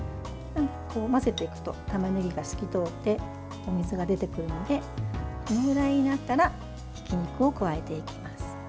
混ぜていくとたまねぎが透き通ってお水が出てくるのでこのぐらいになったらひき肉を加えていきます。